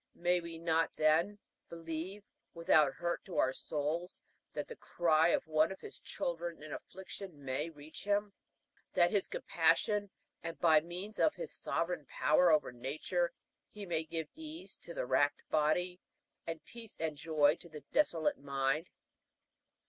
May we not, then, believe, without hurt to our souls, that the cry of one of his children in affliction may reach him; that in his compassion, and by means of his sovereign power over nature, he may give ease to the racked body, and peace and joy to the desolate mind?"